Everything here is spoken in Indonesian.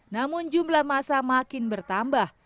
namun jumlah masa makin bertambah